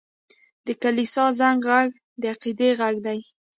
د کلیسا زنګ ږغ د عقیدې غږ دی.